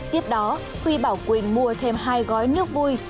tiếp đó huy bảo quỳnh mua thêm hai gói nước vui